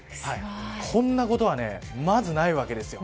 こんなことはまずないわけですよ。